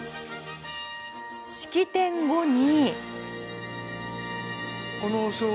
式典後に。